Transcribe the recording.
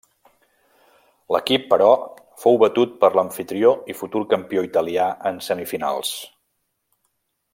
L'equip, però, fou batut per l'amfitrió i futur campió Itàlia en semifinals.